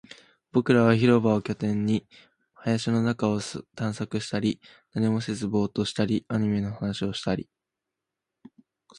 僕らは広場を拠点に、林の中を探索したり、何もせずボーっとしたり、アニメの話をしたり